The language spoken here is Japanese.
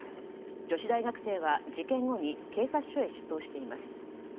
女子大学生は、事件後に警察署へ出頭しています。